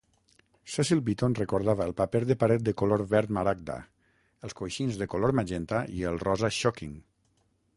Cecil Beaton recordava el paper de paret de color verd maragda, els coixins de color magenta i el rosa "shocking".